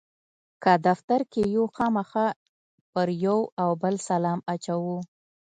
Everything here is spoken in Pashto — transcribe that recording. که دفتر کې یو خامخا پر یو او بل سلام اچوو.